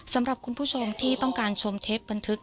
สำหรับคุณผู้ชมที่ต้องการชมเทปบันทึก